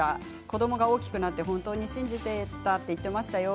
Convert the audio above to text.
子どもが大きくなって本当に信じていたと言っていましたよ。